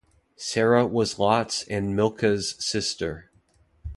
Sarah was Lot's and Milcah's sister.